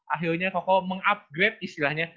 akhirnya koko meng upgrade istilahnya